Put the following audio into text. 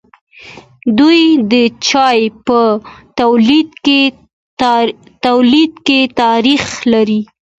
دوی د چای په تولید کې تاریخ لري.